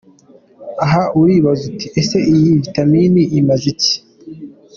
Aha uribaza uti ese iyi vitamine imaze iki?.